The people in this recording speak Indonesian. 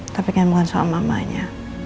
tapi kan bukan soal mamanya